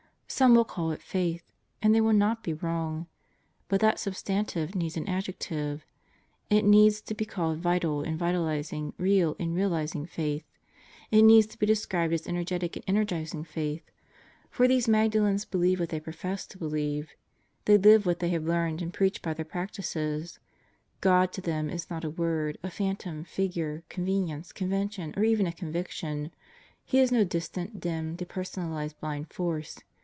Some will call it Faith. And they will not be wrong. But that substantive needs an adjective. It needs to be called vital and vitalizing, real and realizing Faith. It needs to be described as energetic and energizing Faith. For these Magdalens believe what they profess to believe; they live what they have learned 114 Deeper Depths and Broader Horizons 115 and preach by their practices. God to them is not a word, a phantom, figure, convenience, convention, or even a conviction; He is no distant, dim, depersonalized blind force.